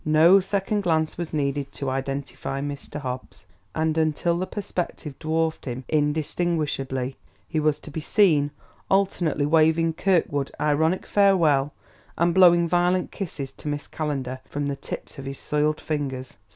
No second glance was needed to identify Mr. Hobbs; and until the perspective dwarfed him indistinguishably, he was to be seen, alternately waving Kirkwood ironic farewell and blowing violent kisses to Miss Calendar from the tips of his soiled fingers.